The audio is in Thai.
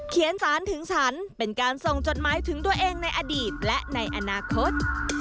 สารถึงฉันเป็นการส่งจดหมายถึงตัวเองในอดีตและในอนาคต